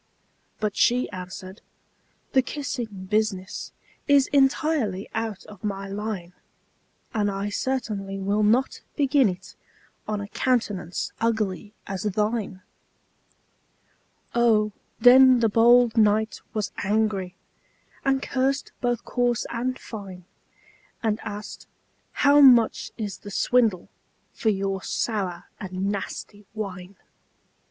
But she answered, "The kissing business Is entirely out of my line; And I certainly will not begin it On a countenance ugly as thine!" Oh, then the bold knight was angry, And cursed both coarse and fine; And asked, "How much is the swindle For your sour and nasty wine?"